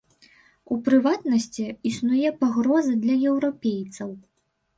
У прыватнасці, існуе пагроза для еўрапейцаў.